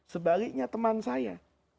sebaliknya teman saya